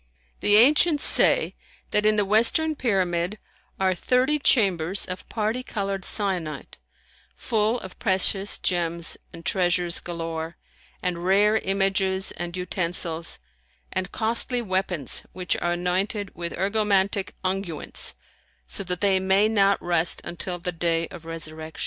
The ancients say that, in the western Pyramid, are thirty chambers of parti coloured syenite, full of precious gems and treasures galore and rare images and utensils and costly weapons which are anointed with egromantic unguents, so that they may not rust until the day of Resurrection.